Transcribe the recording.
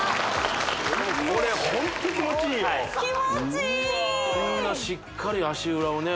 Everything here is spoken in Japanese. ・これ気持ちいいこんなしっかり足裏をね